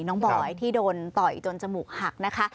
บอยที่โดนต่อยจนจมูกหักนะคะ